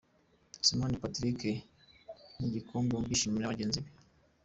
Sibomana Patrick n’igikombe mu byishimo na bagenzi be.